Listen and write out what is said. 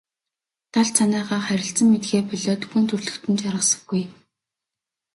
Далд санаагаа харилцан мэдэхээ болиод хүн төрөлхтөн жаргасангүй.